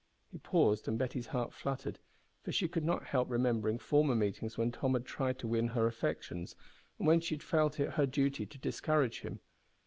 He paused, and Betty's heart fluttered, for she could not help remembering former meetings when Tom had tried to win her affections, and when she had felt it her duty to discourage him.